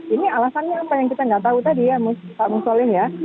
ini alasannya apa yang kita nggak tahu tadi ya pak musoleh ya